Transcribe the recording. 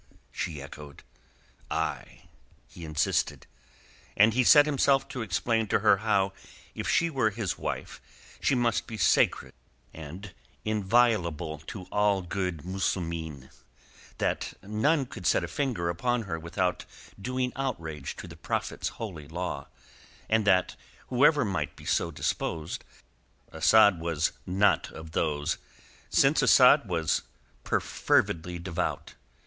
she echoed. "Ay," he insisted. And he set himself to explain to her how if she were his wife she must be sacred and inviolable to all good Muslimeen, that none could set a finger upon her without doing outrage to the Prophet's holy law, and that, whoever might be so disposed, Asad was not of those, since Asad was perfervidly devout.